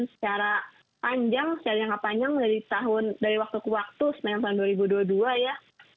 secara panjang secara jangka panjang dari tahun dari waktu ke waktu sepanjang tahun dua ribu dua puluh dua ya